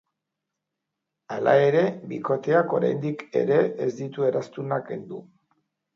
Hala ere, bikoteak oraindik ere ez ditu eraztunak kendu.